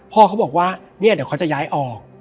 พ่อเขาบอกว่าเนี่ยเดี๋ยวเขาจะย้ายออก